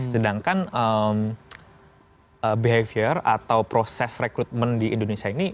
sedangkan behavior atau proses rekrutmen di indonesia ini